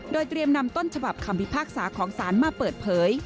โดยเตรียมนำต้นฉบับคำพิพากษาของศาลมาเปิดเผย